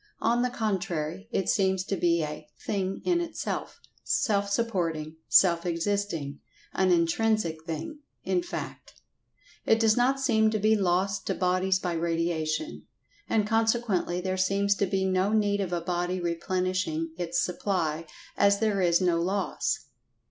On the contrary, it seems to be a "thing in itself," self supporting, self existing—an intrinsic thing, in fact. It does not seem to be lost to bodies by radiation. And consequently there seems to be no need of a body replenishing its supply, as there is no loss.